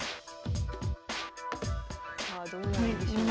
さあどうなるでしょうか。